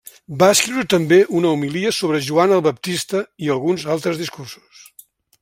Va escriure també una homilia sobre Joan el Baptista i alguns altres discursos.